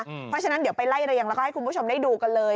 เพราะฉะนั้นเดี๋ยวไปไล่เรียงแล้วก็ให้คุณผู้ชมได้ดูกันเลย